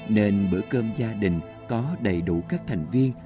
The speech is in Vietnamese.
nên bữa cơm gia đình có đầy đủ các thành viên